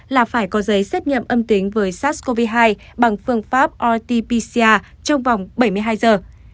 là phải có giấy xét nghiệm âm tính với sars cov hai bằng phương pháp rt pcr trong vòng bảy mươi hai giờ